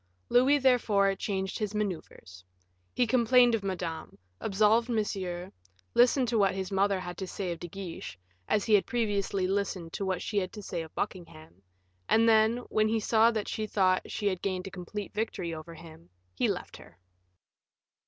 Louis, therefore, changed his maneuvers. He complained of Madame, absolved Monsieur, listened to what his mother had to say of De Guiche, as he had previously listened to what she had to say of Buckingham, and then, when he saw that she thought she had gained a complete victory over him, he left her.